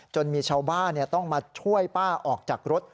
มีชาวบ้านต้องมาช่วยป้าออกจากรถ